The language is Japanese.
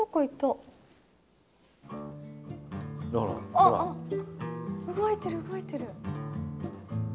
あっ動いてる動いてる。